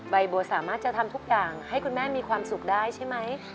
ใบบัวสามารถจะทำทุกอย่างให้คุณแม่มีความสุขได้ใช่ไหม